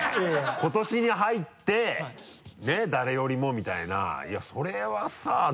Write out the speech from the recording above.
「今年に入って誰よりも」みたいないやそれはさズルい。